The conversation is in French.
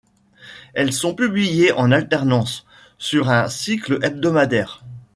Elles sont publiées en alternance, sur un cycle hebdomadaire.